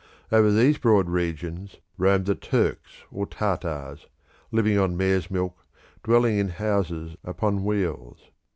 Over these broad regions roamed the Turks or Tartars, living on mares' milk, dwelling in houses upon wheels.